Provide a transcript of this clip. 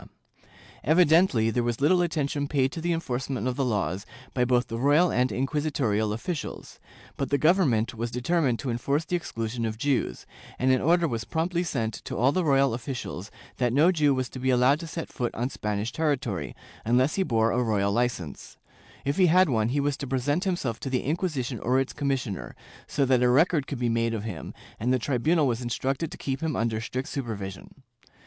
^ Evidently there was little attention paid to the enforcement of the laws by both the royal and inquisitorial officials, but the Government was determined to enforce the exclusion of Jews, and an order was promptly sent to all the royal officials that no Jew was to be allowed to set foot on Spanish territory, unless he bore a royal licence ; if he had one, he was to present himself to the Inquisition or its commissioner, so that a record could be made of him, and the tribunal was instructed to keep him under strict supervision.